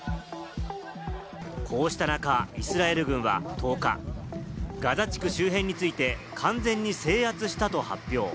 こうした中、イスラエル軍が１０日、ガザ地区周辺について完全に制圧したと発表。